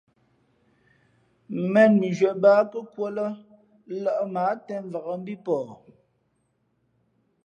̀mēn mʉnzhwē bāā nkα̌kūα lά lᾱʼ mα ǎ těmvak mbí pαh.